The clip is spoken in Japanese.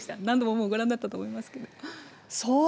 何度ももう、ご覧になっていると思いますけれども。